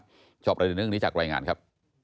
ชอบรายละเอียดเรื่องอันนี้จากรายงานครับ